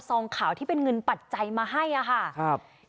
ซองข่าวที่เป็นเงินปัดใจมาให้อ่ะค่ะครับนี่คือ